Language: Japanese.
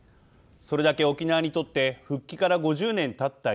それだけ沖縄にとって復帰から５０年たった